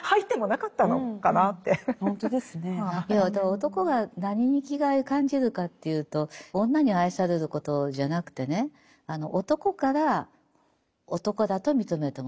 男が何に生きがいを感じるかというと女に愛されることじゃなくてね男から男だと認めてもらえる。